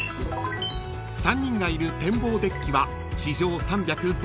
［３人がいる展望デッキは地上３５０ｍ］